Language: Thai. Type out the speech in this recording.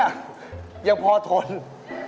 ยังพอทนโอ้โฮ